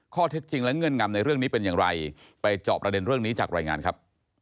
ข้อเท็จจริงและเงื่อนงำในเรื่องนี้เป็นอย่างไรไปจอบประเด็นเรื่องนี้จากรายงานครับ